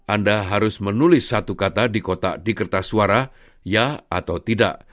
anda anda harus menulis satu kata di kotak di kertas suara mum mie